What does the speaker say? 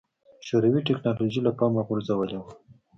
شوروي ټکنالوژي له پامه غورځولې وه.